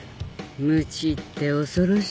無知って恐ろしい